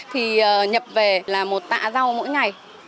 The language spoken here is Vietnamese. thì nhập về là một tạ rau mỗi ngày